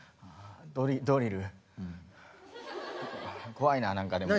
怖いな何かでも。